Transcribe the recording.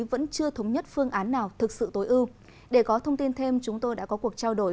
vẫn chưa thống nhất phương án nào thực sự tối ưu để có thông tin thêm chúng tôi đã có cuộc trao đổi